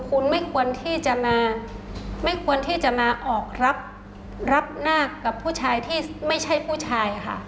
คุณไม่ควรที่จะมาไม่ควรที่จะมาออกรับหน้ากับผู้ชายที่ไม่ใช่ผู้ชายค่ะ